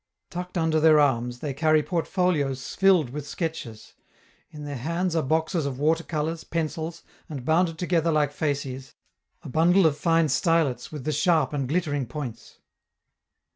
Tucked under their arms, they carry portfolios filled with sketches; in their hands are boxes of water colors, pencils, and, bound together like fasces, a bundle of fine stylets with the sharp and glittering points.